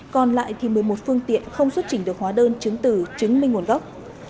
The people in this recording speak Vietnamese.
còn lại thì một mươi một phương tiện không xuất trình được hóa đơn chứng tử chứng minh nguồn gốc